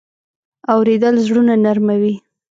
اورېدل زړونه نرمه وي.